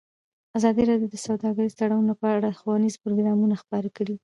ازادي راډیو د سوداګریز تړونونه په اړه ښوونیز پروګرامونه خپاره کړي.